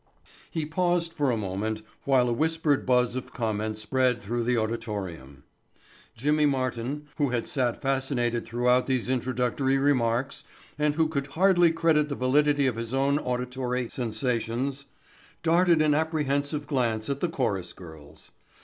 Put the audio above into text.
He paused for a moment while a whispered buzz of comment spread through the auditorium. Jimmy Martin, who had sat fascinated throughout these introductory remarks and who could hardly credit the validity of his own auditory sensations, darted an apprehensive glance at the chorus girls.